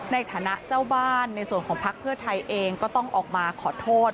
ในฐานะเจ้าบ้านในส่วนของพักเพื่อไทยเองก็ต้องออกมาขอโทษ